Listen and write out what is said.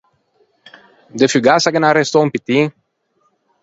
De fugassa ghe n’é arrestou un pittin?